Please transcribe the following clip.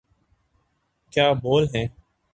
کیا بول ہیں۔